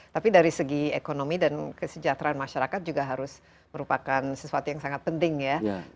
tapi dari segi ekonomi dan kesejahteraan masyarakat juga harus merupakan sesuatu yang sangat penting ya